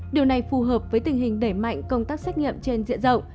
điều này phù hợp với tình hình đẩy mạnh công tác xét nghiệm trên diện rộng